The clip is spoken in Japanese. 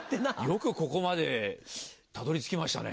よくここまでたどり着きましたね。